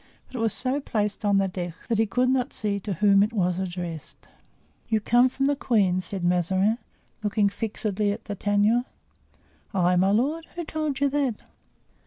But it was so placed on the desk that he could not see to whom it was addressed. "You come from the queen?" said Mazarin, looking fixedly at D'Artagnan. "I! my lord—who told you that?"